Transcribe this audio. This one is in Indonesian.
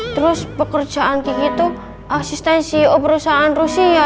terus pekerjaan kiki tuh asisten ceo perusahaan rusia